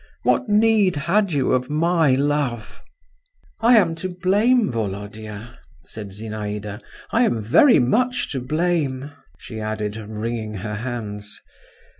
… What need had you of my love?" "I am to blame, Volodya …" said Zinaïda. "I am very much to blame …" she added, wringing her hands.